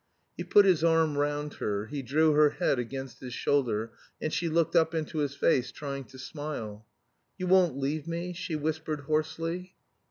He put his arm round her; he drew her head against his shoulder; and she looked up into his face, trying to smile. "You won't leave me?" she whispered hoarsely.